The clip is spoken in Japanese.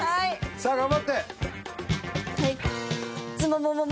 さあ頑張って。